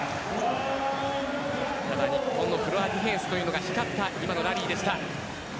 ただ日本のフロアディフェンスが光った今のラリーでした。